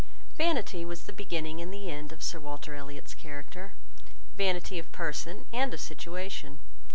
Vanity was the beginning and the end of Sir Walter Elliot's character; vanity of person and of situation.